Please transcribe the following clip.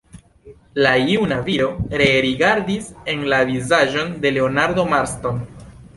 La juna viro ree rigardis en la vizaĝon de Leonardo Marston.